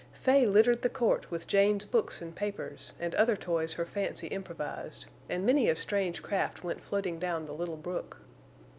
Fay littered the court with Jane's books and papers, and other toys her fancy improvised, and many a strange craft went floating down the little brook.